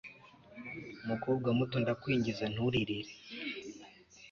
mukobwa muto, ndakwinginze nturirire